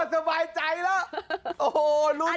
สบายใจแล้ว